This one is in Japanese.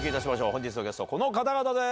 本日のゲスト、この方々です。